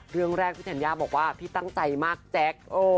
เรื่องแรกพี่ธัญญาบอกว่าพี่ตั้งใจมากแจ๊ค